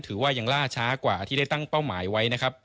ถือว่ายังล่าช้ากว่าที่ได้ตั้งเป้าหมายไว้นะครับ